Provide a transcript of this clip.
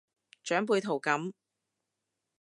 長輩圖噉